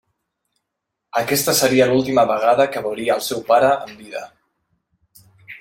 Aquesta seria l'última vegada que veuria el seu pare en vida.